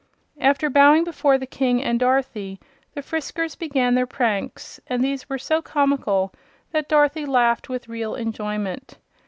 After bowing before the King and Dorothy the Friskers began their pranks, and these were so comical that Dorothy laughed with real enjoyment.